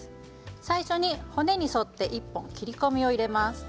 最初に骨に沿って１本切り込みを入れます。